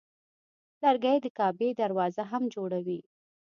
لرګی د کعبې دروازه هم جوړوي.